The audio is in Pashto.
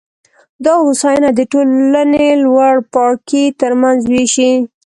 دا هوساینه د ټولنې لوړ پاړکي ترمنځ وېشي